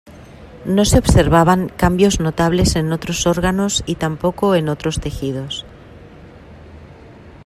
No se observaban cambios notables en otros órganos y tampoco en otros tejidos.